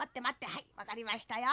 はいわかりましたよ。